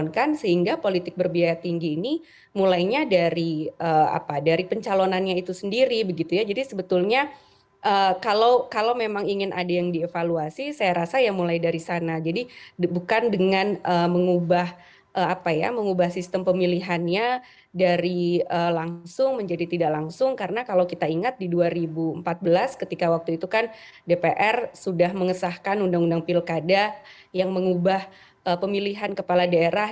untuk bisa dicalonkan sehingga politik berbiaya tinggi ini mulainya dari apa dari pencalonannya itu sendiri begitu ya jadi sebetulnya kalau memang ingin ada yang dievaluasi saya rasa ya mulai dari sana jadi bukan dengan mengubah apa ya mengubah sistem pemilihannya dari langsung menjadi tidak langsung karena kalau kita ingat di dua ribu empat belas ketika waktu itu kan dpr sudah mengesahkan undang undang pilkada yang mengubah pemilihan kepala daerah